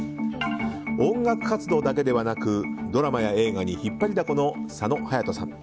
音楽活動だけではなくドラマや映画に引っ張りだこの佐野勇斗さん。